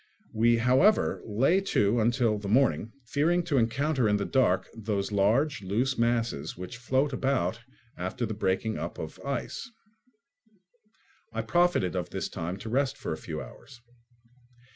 We, however, lay to until the morning, fearing to encounter in the dark those large loose masses which float about after the breaking up of the ice. I profited of this time to rest for a few hours.